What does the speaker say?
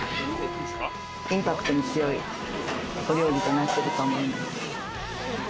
インパクトの強い料理となっていると思います。